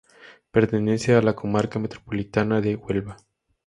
Pertenece a la Comarca Metropolitana de Huelva.